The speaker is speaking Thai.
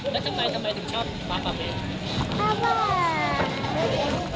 แล้วทำไมทำไมถึงชอบป๊าป๊าเมน